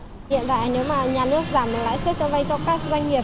hiện tại nếu mà nhà nước giảm lãi suất cho các doanh nghiệp